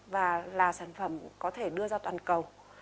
và là sản phẩm có thể đưa ra toàn cầu